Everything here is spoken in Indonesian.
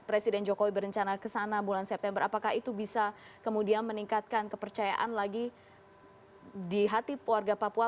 presiden jokowi berencana kesana bulan september apakah itu bisa kemudian meningkatkan kepercayaan lagi di hati warga papua